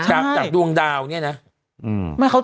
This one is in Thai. จากดวงดาวเนี่ยนะ